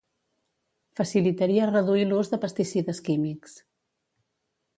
facilitaria reduir l'ús de pesticides químics